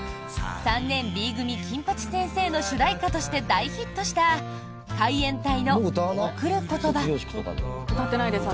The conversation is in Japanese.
「３年Ｂ組金八先生」の主題歌として大ヒットした海援隊の「贈る言葉」。